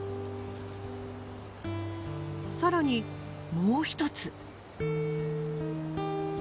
更にもう一つ。